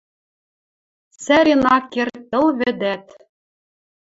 Цӓрен ак керд тыл-вӹдӓт.